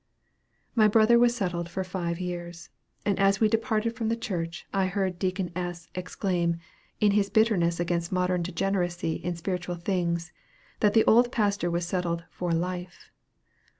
My brother was settled for five years, and as we departed from the church, I heard Deacon S. exclaim, in his bitterness against modern degeneracy in spiritual things, that "the old pastor was settled for life."